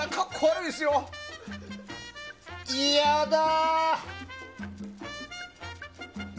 いやだ。